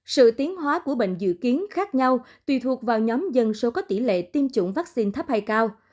sự tiến hóa của bệnh dự kiến khác nhau tùy thuộc vào nhóm dân số có tỷ lệ tiêm chủng vaccine thấp hay cao